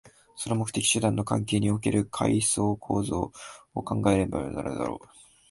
その目的・手段の関係における階層構造を考えねばならぬであろう。